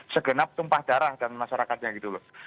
segenap tumpah darah dan masyarakatnya gitu loh